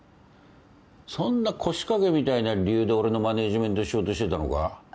そんな腰掛けみたいな理由で俺のマネジメントしようとしてたのか？